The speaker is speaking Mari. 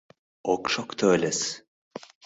Ок шокто ыльыс.